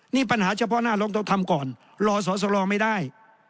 นี่ปัญหาเฉพาะหน้าเราต้องทำก่อนรอสอสรไม่ได้